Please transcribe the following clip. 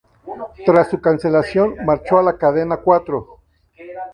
Tras su cancelación, marchó a la cadena Cuatro.